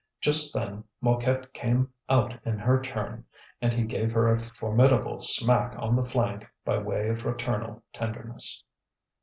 Just then Mouquette came out in her turn, and he gave her a formidable smack on the flank by way of fraternal tenderness.